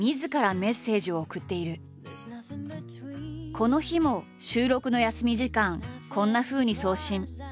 この日も収録の休み時間こんなふうに送信。